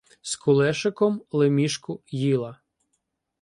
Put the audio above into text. З кулешиком лемішку їла